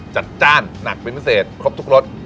จัดจ้านหนักเป็นพิเศษครบทุกรส